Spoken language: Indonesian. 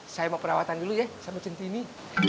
saya mau perawatan dulu ya sama centini